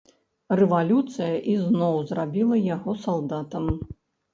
Рэвалюцыя ізноў зрабіла яго салдатам.